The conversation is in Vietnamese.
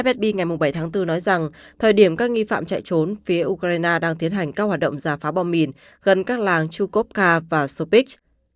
fed ngày bảy tháng bốn nói rằng thời điểm các nghi phạm chạy trốn phía ukraine đang tiến hành các hoạt động giả phá bom mìn gần các làng chukovca và sopics